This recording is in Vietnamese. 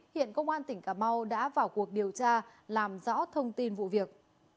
hiện công an tỉnh cà mau đã vào cuộc điều tra làm rõ thông tin vụ việc